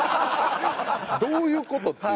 どういう事？っていう。